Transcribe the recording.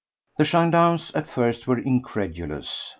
The gendarmes at first were incredulous.